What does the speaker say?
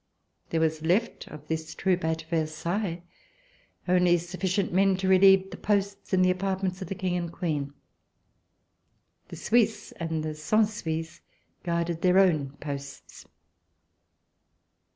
There was left of this troop at Versailles only suf ficient men to relieve the posts in the apartments of the King and Queen. The Suisses and the Cent Suisses guarded their own posts.